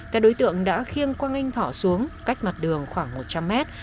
các đối tượng đã khiêng quang anh thọ xuống cách mặt đường khoảng một trăm linh mét